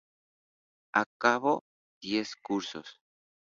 Acabó diez cursos.